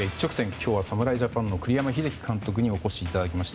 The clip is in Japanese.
今日は侍ジャパンの栗山英樹監督にお越しいただきました。